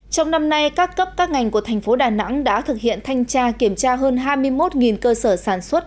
trong năm nay các cấp các ngành của thành phố đà nẵng đã thực hiện thanh tra kiểm tra hơn hai mươi một cơ sở sản xuất